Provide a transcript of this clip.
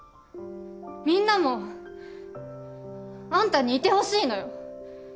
みんなもアンタにいてほしいのよ！